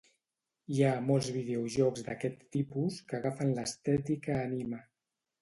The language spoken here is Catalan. Hi ha molts videojocs d'aquest tipus que agafen l'estètica anime.